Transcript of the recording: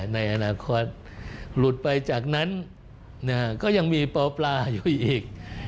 ในอนาคตหลุดไปจากนั้นก็ยังมีปปลาอยู่อีก